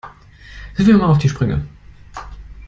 Hilf mir mal auf die Sprünge.